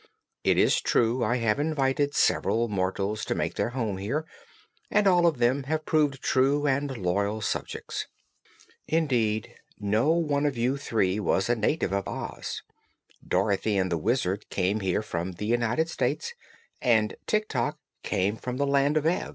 It is true I have invited several mortals to make their home here, and all of them have proved true and loyal subjects. Indeed, no one of you three was a native of Oz. Dorothy and the Wizard came here from the United States, and Tik Tok came from the Land of Ev.